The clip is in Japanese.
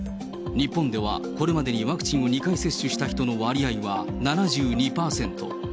日本ではこれまでにワクチンを２回接種した人の割合は７２％。